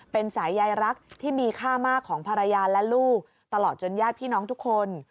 เป็นสายใยรักที่มีค่ามากของภรรยาและลูกตลอดจนญาติพี่น้องทุกคน